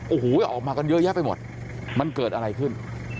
โอ้โหออกมากันเยอะแยะไปหมดมันเกิดอะไรขึ้น